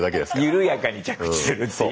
緩やかに着地するっていう。